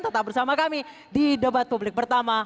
tetap bersama kami di debat publik pertama